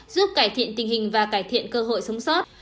giúp cải thiện tình hình và cải thiện cơ hội sống sót